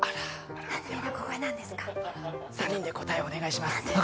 ３人で答えお願いします。